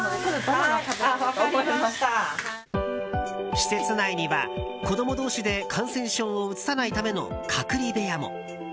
施設内には、子供同士で感染症をうつさないための隔離部屋も。